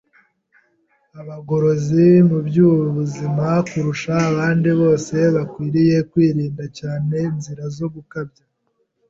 Abagorozi mu by’ubuzima, kurusha abandi bose, bakwiriye kwirinda cyane inzira zo gukabya.